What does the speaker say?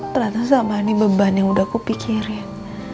ternyata sama ini beban yang udah kupikirin